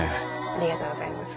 ありがとうございます。